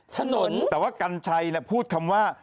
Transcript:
ถนนแต่ว่ากัญชัยพูดคำว่า